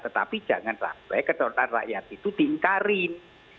tetapi jangan sampai kedaulatan rakyat itu diingkari